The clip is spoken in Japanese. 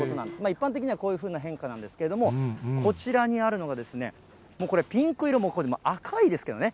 一般的にはこういうふうな変化なんですけれども、こちらにあるのが、もうこれ、ピンク色、これ、赤いですけどね。